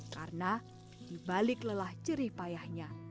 karena di balik lelah ceri payahnya